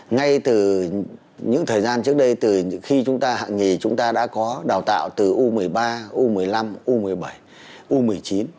ngay từ những thời gian trước đây từ khi chúng ta hạng nhì chúng ta đã có đào tạo từ u một mươi ba u một mươi năm u một mươi bảy u một mươi chín